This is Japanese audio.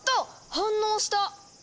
反応した！